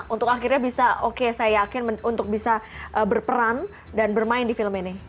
untuk akhirnya bisa oke saya yakin untuk bisa berperan dan bermain di film ini